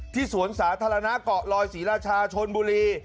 สวนสาธารณะเกาะลอยศรีราชาชนบุรี